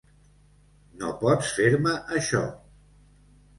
No pots fer-me això!